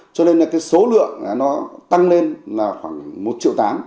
cho nên là cái số lượng nó tăng lên là khoảng một triệu tám